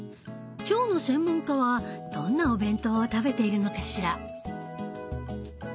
腸の専門家はどんなお弁当を食べているのかしら？